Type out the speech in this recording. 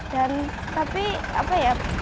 dan tapi apa ya